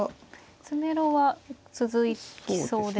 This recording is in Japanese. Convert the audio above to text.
詰めろは続きそうですね。